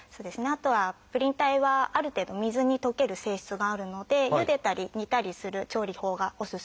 あとはプリン体はある程度水に溶ける性質があるのでゆでたり煮たりする調理法がおすすめになります。